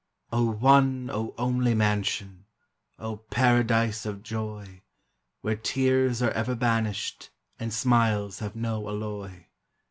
O one, O only Mansion ! O Paradise of Joy, 'Where tears are ever banished, And smiles have no alloy!